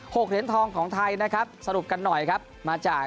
๖เหรียญทองของไทยสรุปกันหน่อยมาจาก